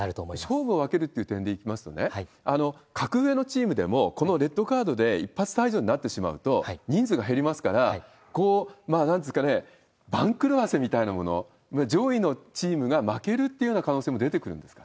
勝負を分けるという点でいきますと、格上のチームでも、このレッドカードで一発退場になってしまうと、人数が減りますから、なんていうんですかね、番狂わせみたいなもの、上位のチームが負けるというような可能性も出てくるんですか？